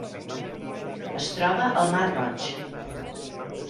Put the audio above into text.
Es troba al mar Roig: